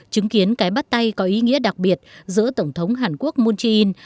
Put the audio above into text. chứng kiến cái bắt tay có ý nghĩa đặc biệt giữa tổng thống hàn quốc moon jae in